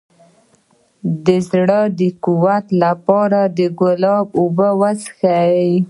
د زړه د تقویت لپاره د ګلاب اوبه وڅښئ